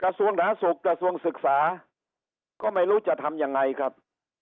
กระทรวงหนาสุขกระทรวงศึกษาก็ไม่รู้จะทำยังไงครับ